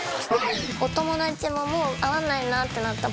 お友達ももう会わないなってなったらばっさり。